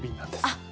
あっ。